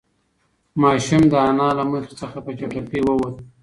ماشوم د انا له مخې څخه په چټکۍ ووت.